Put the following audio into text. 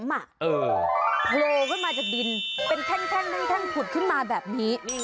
โทลด้วยมาจากดินเป็นแข่งขุดขึ้นมาแบบนี้